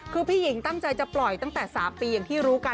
คือพี่หญิงตั้งใจจะปล่อยตั้งแต่๓ปีอย่างที่รู้กัน